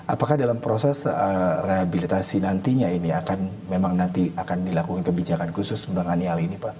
apakah dalam proses rehabilitasi nantinya ini akan memang nanti akan dilakukan kebijakan khusus menangani hal ini pak